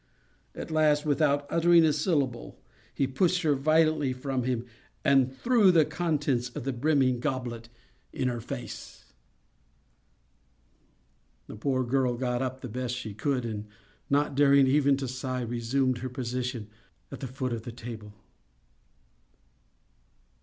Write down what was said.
At last, without uttering a syllable, he pushed her violently from him, and threw the contents of the brimming goblet in her face. The poor girl got up the best she could, and, not daring even to sigh, resumed her position at the foot of the table.